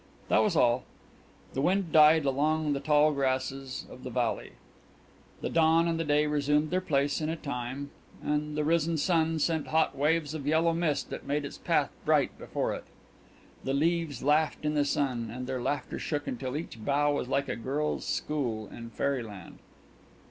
That was all. The wind died along the tall grasses of the valley. The dawn and the day resumed their place in a time, and the risen sun sent hot waves of yellow mist that made its path bright before it. The leaves laughed in the sun, and their laughter shook until each bough was like a girl's school in fairyland.